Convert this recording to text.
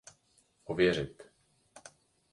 Ověřit.